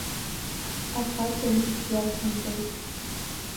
Ахаҵа имч иацнаҵоит.